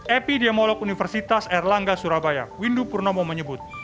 epidemiolog universitas erlangga surabaya windu purnomo menyebut